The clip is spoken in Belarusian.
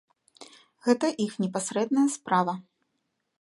Гэта іх непасрэдная справа.